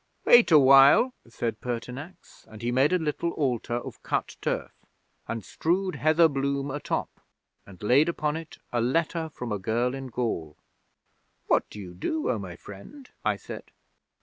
'"Wait awhile," said Pertinax, and he made a little altar of cut turf, and strewed heather bloom atop, and laid upon it a letter from a girl in Gaul. '"What do you do, O my friend?" I said.